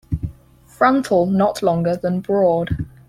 Frontal not longer than broad.